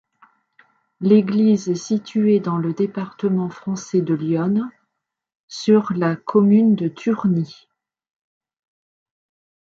L'église est située dans le département français de l'Yonne, sur la commune de Turny.